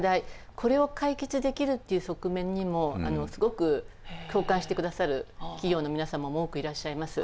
これを解決できるっていう側面にもすごく共感してくださる企業の皆様も多くいらっしゃいます。